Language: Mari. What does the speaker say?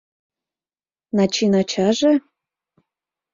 Начин ачаже?..